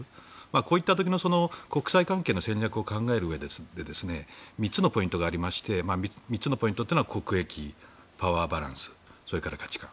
こういった時の国際関係の戦略を考えるうえで３つのポイントがありまして３つのポイントというのは国益、パワーバランスそれから価値観。